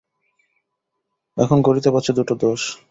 এখন ঘড়িতে বাজছে দুটা দশ!